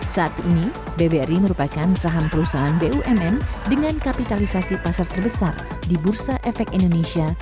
saat ini bbri merupakan saham perusahaan bumn dengan kapitalisasi pasar terbesar di bursa efek indonesia